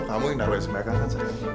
kamu yang taruh di sembarangan kan sari